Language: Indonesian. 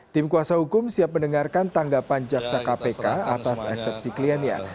tim kuasa hukum siap mendengarkan tanggapan jaksa kpk atas eksepsi kliennya